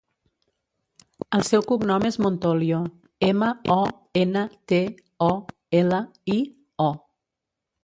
El seu cognom és Montolio: ema, o, ena, te, o, ela, i, o.